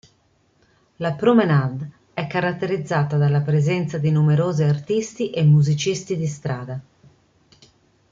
La "Promenade" è caratterizzata dalla presenza di numerosi artisti e musicisti di strada.